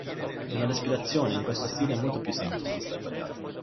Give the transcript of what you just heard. La respirazione in questo stile è molto più semplice rispetto agli altri